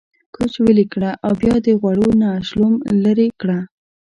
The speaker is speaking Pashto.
کوچ ويلي کړه او بيا د غوړو نه شلوم ليرې کړه۔